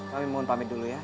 kami mohon pamit dulu ya